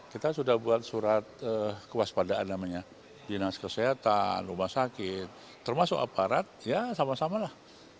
kita sudah buat surat kewaspadaan namanya dinas kesehatan rumah sakit termasuk aparat ya sama samalah